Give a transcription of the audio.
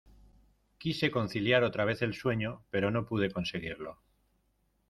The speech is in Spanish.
quise conciliar otra vez el sueño, pero no pude conseguirlo.